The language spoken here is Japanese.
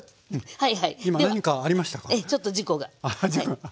はい。